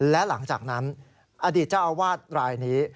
และหลังจากนั้นอดีตเจ้าอาวาสรายนี้